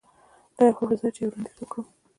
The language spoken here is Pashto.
دا یو ښه فرصت دی چې یو وړاندیز وکړم